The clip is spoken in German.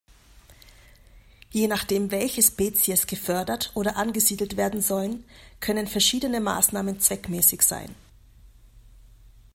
Je nachdem welche Spezies gefördert oder angesiedelt werden sollen, können verschiedene Maßnahmen zweckmäßig sein.